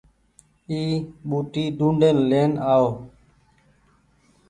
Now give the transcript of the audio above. اي ٻوٽي ڊونڊين لين آئو